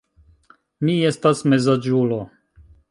Mi estas mezaĝulo.